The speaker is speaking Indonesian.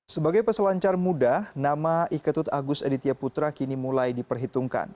sebagai peselancar muda nama iketut agus editya putra kini mulai diperhitungkan